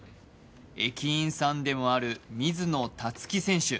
駅員さんでもある水野達稀選手。